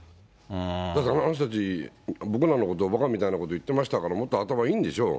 あの人たち、僕らのことばかみたいなこと言ってましたから、もっと頭いいんでしょう。